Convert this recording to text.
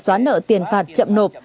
xóa nợ tiền phạt chậm nộp